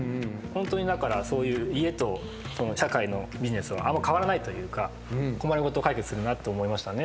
ホントにだからそういう家と社会のビジネスはあんま変わらないというか困り事を解決するなと思いましたね。